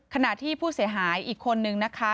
ขณะที่ผู้เสียหายอีกคนนึงนะคะ